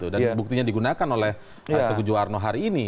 dan buktinya digunakan oleh pak teguh juwarno hari ini